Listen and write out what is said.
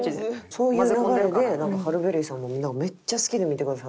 そういう流れでハル・ベリーさんもめっちゃ好きで見てくださってるっつって。